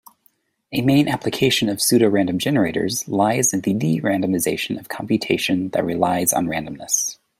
A main application of pseudorandom generators lies in the de-randomization of computation that relies on randomness.